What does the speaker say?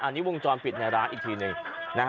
อันนี้วงจรปิดในร้านอีกทีหนึ่งนะฮะ